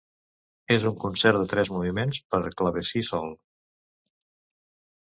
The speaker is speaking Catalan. És un concert de tres moviments per clavecí sol.